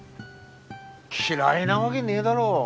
嫌いなわげねえだろ。